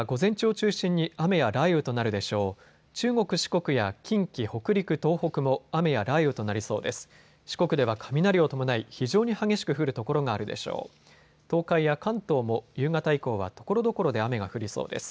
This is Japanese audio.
中国、四国や近畿、北陸、東北も雨や雷雨となりそうです。